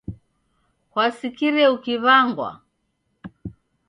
Kwasikire ukiw'angwa?